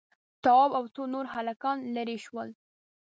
تواب او څو نور هلکان ليرې شول.